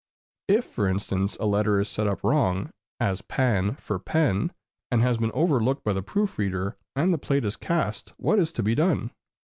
If, for instance, a letter is set up wrong, as pan for pen, and has been overlooked by the proof reader, and the plate is cast, what is to be done?